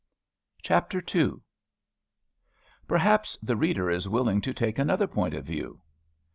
CHAPTER II. Perhaps the reader is willing to take another point of view.